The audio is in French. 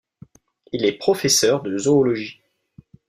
Il est professeur de zoologie.